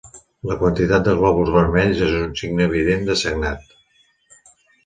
La quantitat de glòbuls vermells és un signe evident de sagnat.